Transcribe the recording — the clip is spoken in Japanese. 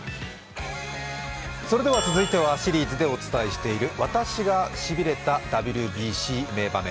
それでは続いては、シリーズでお伝えしている「私がしびれたＷＢＣ名場面」